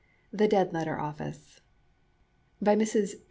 THE DEAD LETTER OFFICE. BY MRS.